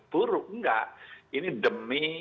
buruk enggak ini demi